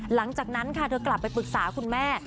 หลังจากนั้นค่ะเธอกลับไปปรึกษาคุณแม่